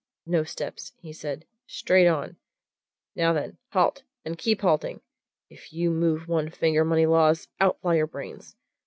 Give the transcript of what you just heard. "No steps," said he, "straight on! Now then, halt and keep halting! If you move one finger, Moneylaws, out fly your brains!